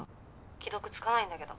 「既読つかないんだけど」